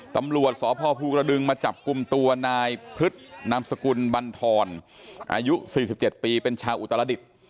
ตำรวจสพภูกระดึงมาจับกลุ่มตัวนายพฤษนามสกุลบันทรอายุ๔๗ปีเป็นชาวอุตรดิษฐ์